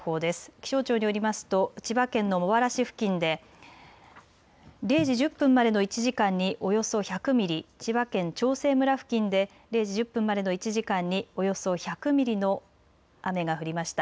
気象庁によりますと千葉県の茂原市付近で０時１０分までの１時間におよそ１００ミリ、千葉県長生村付近で０時１０分までの１時間におよそ１００ミリの雨が降りました。